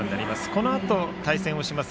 このあと対戦をします